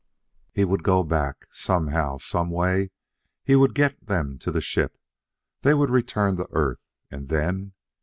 He would go back. Somehow, some way, he would get them to the ship. They would return to Earth. And then....